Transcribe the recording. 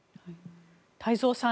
太蔵さん